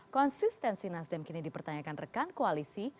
konsistensi nasdem kini dipertanyakan rekan koalisi